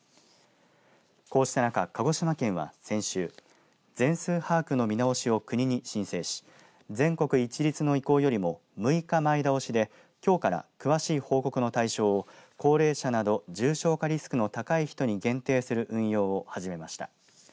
こうした中、鹿児島県は先週全数把握の見直しを国に申請し全国一律の意向よりも６日前倒しできょうから詳しい報告の対象を高齢者など重症化リスクの高い人に限定する運用を始めました。